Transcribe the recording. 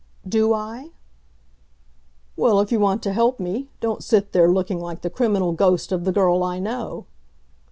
"Do I?" "Well, if you want to help me, don't sit there looking like the criminal ghost of the girl I know."